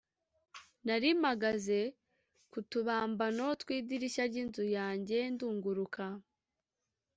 nari mpagaze ku tubambano tw’idirishya ry’inzu yanjye ndunguruka,